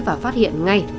và phát hiện ngay